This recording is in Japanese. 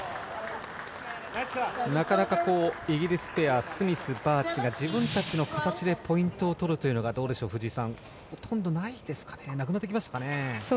なかなかイギリスペアスミス、バーチが自分たちの形でポイントを取るというのが藤井さん、ほとんどないですかねなくなってきましたかね。